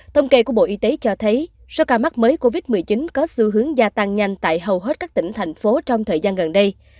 thông kê của bộ y tế cho thấy số ca mắc mới covid một mươi chín có xu hướng gia tăng nhanh tại hầu hết các tỉnh thành phố trong thời gian gần đây